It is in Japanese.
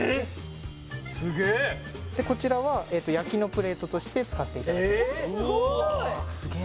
すげえでこちらは焼きのプレートとして使っていただけますえ